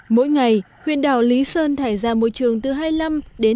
mỗi ngày huyện đảo lý sơn thải ra môi trường tự nhiên